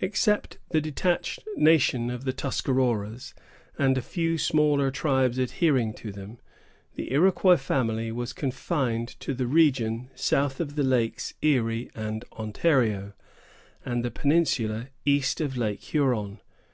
Except the detached nation of the Tuscaroras, and a few smaller tribes adhering to them, the Iroquois family was confined to the region south of the Lakes Erie and Ontario, and the peninsula east of Lake Huron.